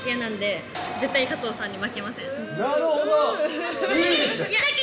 なるほど！